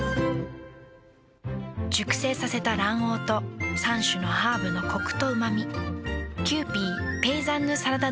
熟成させた卵黄と３種のハーブのコクとうま味。